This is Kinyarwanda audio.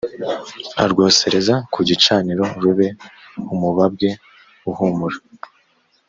arwosereze ku gicaniro rube umubabwe uhumurira